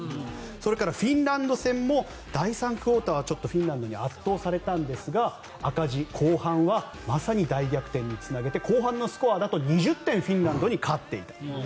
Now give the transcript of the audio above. それからフィンランド戦も第３クオーターはフィンランドに圧倒されたんですが赤字、後半はまさに大逆転につなげて後半のスコアだと２０点フィンランドに勝っていた。